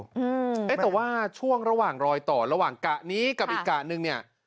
อืมเอ๊ะแต่ว่าช่วงระหว่างรอยต่อระหว่างกะนี้กับอีกกะนึงเนี่ย